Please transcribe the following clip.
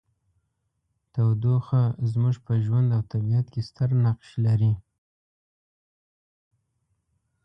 تودوخه زموږ په ژوند او طبیعت کې ستر نقش لري.